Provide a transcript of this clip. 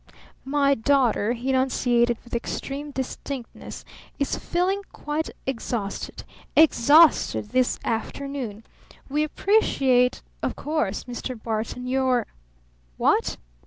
"My daughter," he enunciated with extreme distinctness, "is feeling quite exhausted exhausted this afternoon. We appreciate, of course Mr. Barton, your What?